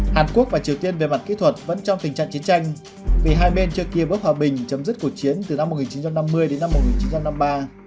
hàn quốc và triều tiên về mặt kỹ thuật vẫn trong tình trạng chiến tranh vì hai bên trước kia bước hòa bình chấm dứt cuộc chiến từ năm một nghìn chín trăm năm mươi đến năm một nghìn chín trăm năm mươi ba